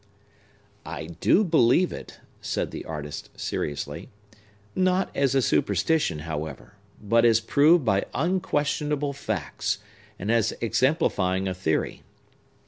"I do believe it," said the artist seriously; "not as a superstition, however, but as proved by unquestionable facts, and as exemplifying a theory.